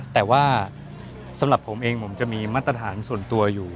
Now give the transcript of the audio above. แต่ว่าสำหรับผมเองผมจะมีมาตรฐานส่วนตัวอยู่